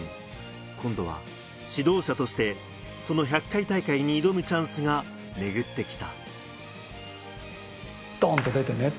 今度は指導者として、その１００回大会に挑むチャンスがめぐってきた。